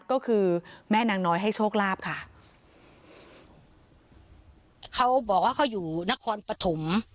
ก็คือแม่นางน้อยให้โชคลาภค่ะเขาบอกว่าเขาอยู่นครปฐม